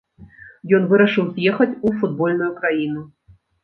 Ён вырашыў з'ехаць у футбольную краіну.